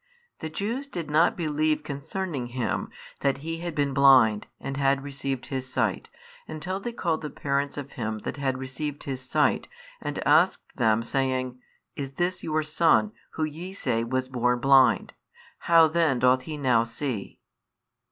18, 19 The Jews did not believe concerning him, that he had been blind, and had received his sight, until they called the parents of him that had received his sight, and asked them, saying, Is this your son, who ye say was born blind? how then doth he now see?